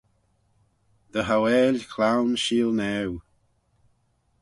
Dy hauail cloan sheelnaue.